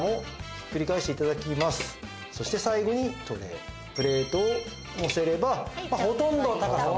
そして最後にトレープレートをのせればほとんど高さも。